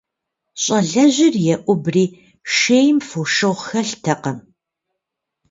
Щӏалэжьыр еӏубри, - шейм фошыгъу хэлътэкъым.